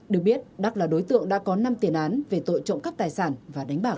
được biết đắk là đối tượng đã có năm tiền án về tội trộm khắp thai sản và đánh bạc